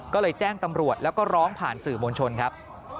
ก็เลยแจ้งตำรวจแล้วก็ร้องผ่านสื่อมวลชนครับ